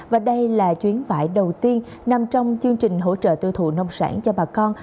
và đây là chuyến vải đầu tiên nằm trong chương trình hỗ trợ tiêu thụ nông sản cho bà con